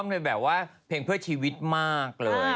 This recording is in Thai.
พลิกกาจูเป็นเพื่อชีวิตมากเลย